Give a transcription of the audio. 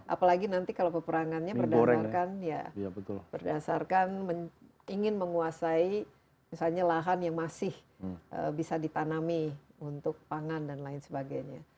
apalagi nanti kalau peperangannya berdasarkan ya berdasarkan ingin menguasai misalnya lahan yang masih bisa ditanami untuk pangan dan lain sebagainya